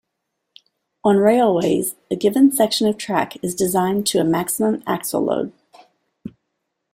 On railways, a given section of track is designed to a maximum axle load.